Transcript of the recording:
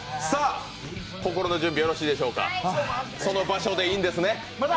心の準備、よろしいでしょうかその場所でいいんですね？